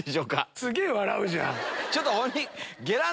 すげぇ笑うじゃん。